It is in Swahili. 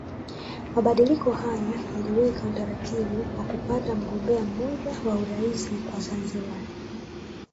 Mabadiliko hayo yaliweka utaratibu wa kupata mgombea mmoja wa Urais kwa Zanzibar